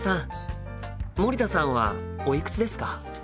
森田さんはおいくつですか？